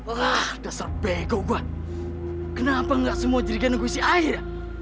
wah dasar bego gua kenapa enggak semua jirigana gue isi air